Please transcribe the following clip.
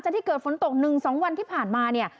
ตก๑๒วันที่ผ่านมาเนี่ย